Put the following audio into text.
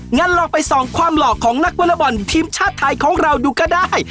งั้นลองไปส่องความหล่อของนักวอเลอร์บอลทีมชาติไทยของเราดูก็ได้